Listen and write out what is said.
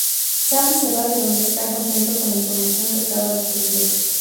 Sam se va de donde está contento con la información que acaba de aprender.